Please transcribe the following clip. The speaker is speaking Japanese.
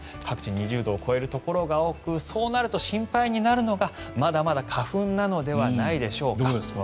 各地、２０度を超えるところが多くそうなると心配になるのがまだまだ花粉なのではないでしょうか。